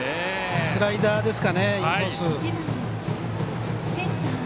スライダーですかね、インコース。